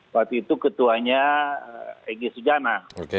waktu itu ketuanya egy sujana